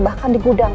bahkan di gudang